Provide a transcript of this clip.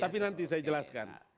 tapi nanti saya jelaskan